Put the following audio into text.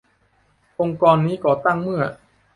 องค์กรนี้ก่อตั้งเมื่อ